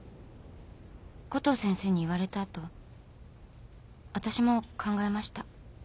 コトー先生に言われた後わたしも考えました。